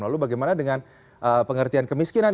lalu bagaimana dengan pengertian kemiskinan